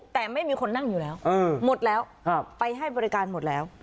แต่ไม่มีคนนั่งอยู่แล้วหมดแล้วไปให้บริการหมดแล้ว